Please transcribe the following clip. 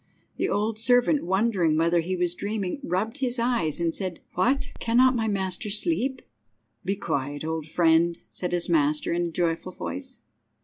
The old servant, wondering whether he was dreaming, rubbed his eyes, and said— "What, cannot my master sleep?" "Be quiet, old friend!" said his master in a joyful voice.